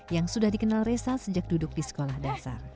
yang sudah dikenal resa sejak duduk di sekolah dasar